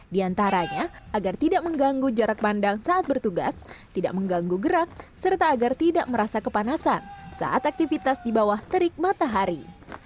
di antaranya agar tidak mengganggu jarak pandang saat bertugas tidak mengganggu gerak serta agar tidak merasa kepanasan saat aktivitas di bawah terik matahari